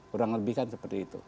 kurang lebih kan seperti itu